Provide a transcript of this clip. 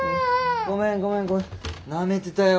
ごめんごめんなめてたよ